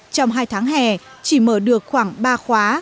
trong hai tháng hè chỉ mở được khoảng ba khóa